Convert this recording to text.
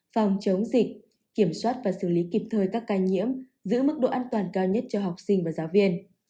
phòng chống dịch kiểm soát và xử lý kịp thời các ca nhiễm giữ mức độ an toàn cao nhất cho học sinh và giáo viên